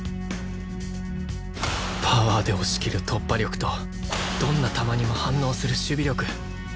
パワーで押し切る突破力とどんな球にも反応する守備力